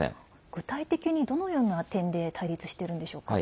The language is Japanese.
具体的にどのような点で対立してるんでしょうか？